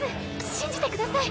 信じてください